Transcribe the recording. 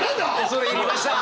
恐れ入りました！